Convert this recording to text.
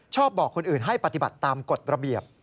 บอกคนอื่นให้ปฏิบัติตามกฎระเบียบ